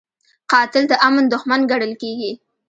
قاتل د امن دښمن ګڼل کېږي